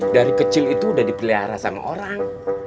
dari kecil itu udah dipelihara sama orang